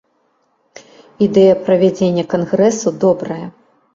Ідэя правядзення кангрэсу добрая.